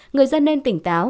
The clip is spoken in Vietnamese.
người dân nên tỉnh táo